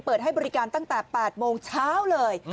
ให้บริการตั้งแต่๘โมงเช้าเลย